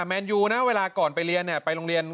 แมนยูนะเวลาก่อนไปเรียนไปโรงเรียน